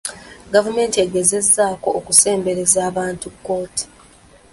Gavumenti egezaako okusembereza abantu kkooti.